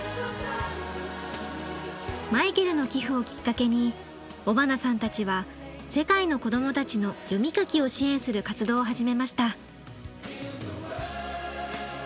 マイケルの寄付をきっかけに尾花さんたちは世界の子どもたちの読み書きを支援する活動を始めました。